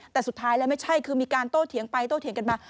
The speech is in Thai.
แต่สุดท้ายแล้วไม่ใช่คือมีการโต้เถียงไปโต้เถียงกันมา